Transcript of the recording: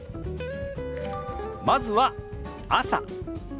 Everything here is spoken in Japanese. まずは「朝」。